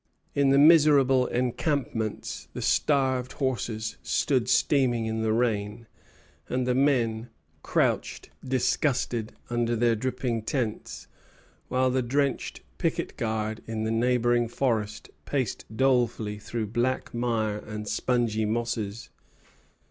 In the miserable encampments the starved horses stood steaming in the rain, and the men crouched, disgusted, under their dripping tents, while the drenched picket guard in the neighboring forest paced dolefully through black mire and spongy mosses.